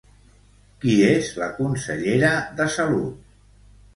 Qui és la consellera de Salut?